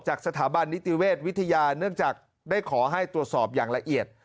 สถาบันนิติเวชวิทยาเนื่องจากได้ขอให้ตรวจสอบอย่างละเอียด